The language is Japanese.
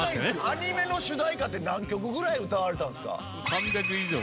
アニメの主題歌って何曲ぐらい歌われたんですか？